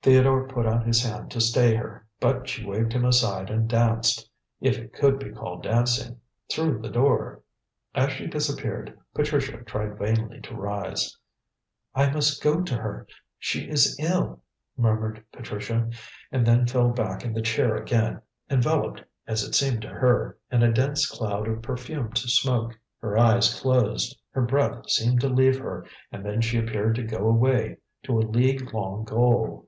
Theodore put out his hand to stay her, but she waved him aside and danced if it could be called dancing through the door. As she disappeared, Patricia tried vainly to rise. "I must go to her! she is ill!" murmured Patricia, and then fell back in the chair again, enveloped as it seemed to her in a dense cloud of perfumed smoke. Her eyes closed, her breath seemed to leave her, and then she appeared to go away to a league long goal.